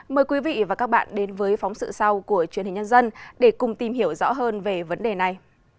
mời quý vị và các bạn đến với phóng sự sau của truyền hình nhân dân để cùng tìm hiểu rõ hơn về vấn đề này